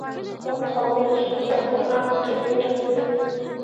دا په خبرو اترو کې ځواکمن اړخ ته ډیره ګټه ورکوي